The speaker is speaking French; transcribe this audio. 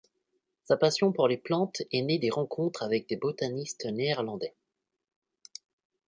Sa passion pour les plantes est née des rencontres avec des botanistes néerlandais.